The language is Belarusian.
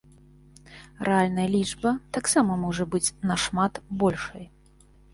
Рэальная лічба таксама можа быць нашмат большай.